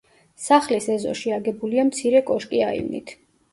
სახლის ეზოში აგებულია მცირე კოშკი აივნით.